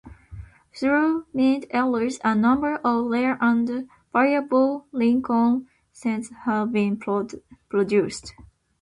Through mint errors, a number of rare and valuable Lincoln Cents have been produced.